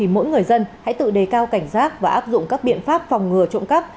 mỗi người dân hãy tự đề cao cảnh giác và áp dụng các biện pháp phòng ngừa trộm cắp